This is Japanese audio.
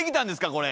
これ。